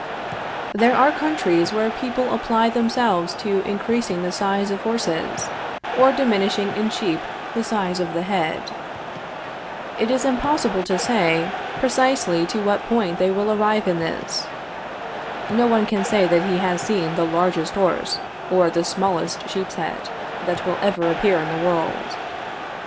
There are countries where people apply themselves to increasing the size of horses, or diminishing in sheep the size of the head. It is impossible to say precisely to what point they will arrive in this. No one can say that he has seen the largest horse or the smallest sheep's head that will ever appear in the world.